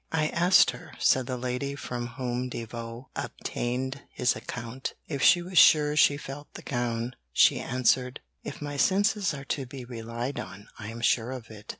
'I asked her,' said the lady from whom Defoe obtained his account, 'if she was sure she felt the gown; she answered, "If my senses are to be relied on, I am sure of it."'